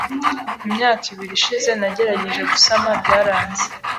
mumyaka ibiri ishize nagerageje gusama byaranze